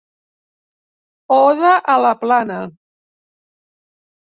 Oda a la plana.